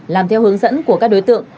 làm theo hướng dẫn của các đối tượng